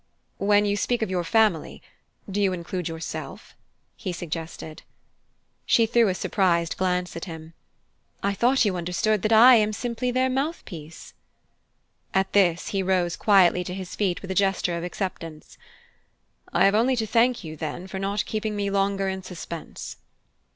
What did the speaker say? "When you speak of your family, do you include yourself?" he suggested. She threw a surprised glance at him. "I thought you understood that I am simply their mouthpiece." At this he rose quietly to his feet with a gesture of acceptance. "I have only to thank you, then, for not keeping me longer in suspense."